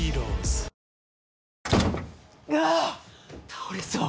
倒れそう！